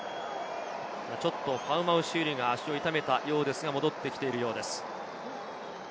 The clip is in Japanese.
ファアマウシウリが足を痛めたようですが戻ってきているようです。